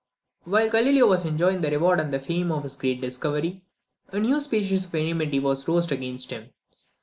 While Galileo was enjoying the reward and the fame of his great discovery, a new species of enmity was roused against him.